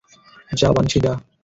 যা বানশি, যা!